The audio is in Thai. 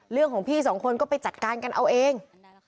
เรื่องของพี่สองคนก็ไปจัดการกันเอาเอง